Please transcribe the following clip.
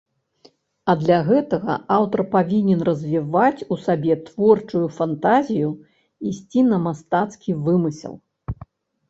А для гэтага аўтар павінен развіваць у сабе творчую фантазію, ісці на мастацкі вымысел.